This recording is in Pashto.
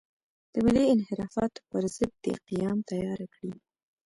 د ملي انحرافاتو پر ضد دې قیام تیاره کړي.